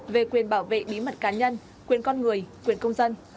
về quyền bảo vệ bí mật cá nhân quyền con người quyền công dân